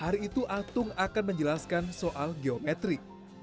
hari itu atung akan menjelaskan soal geometrik